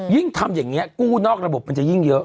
ยิ่งทำอย่างนี้กู้นอกระบบมันจะยิ่งเยอะ